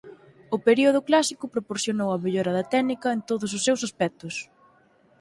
O período clásico proporcionou a mellora da técnica en todos os seus aspectos.